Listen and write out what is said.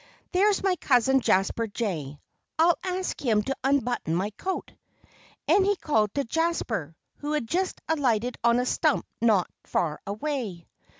There's my cousin, Jasper Jay! I'll ask him to unbutton my coat." And he called to Jasper, who had just alighted on a stump not far away.